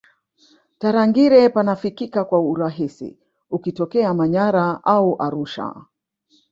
tarangire panafikika kwa urahisi ukitokea manyara au arusha